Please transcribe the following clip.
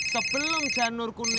sebelum janur kuning